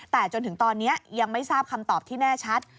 แต่จนถึงตอนนี้ยังไม่ทราบคำตอบที่แน่ชัด